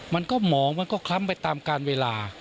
มันก็หมองมันก็คล้ำไปตามการเวลา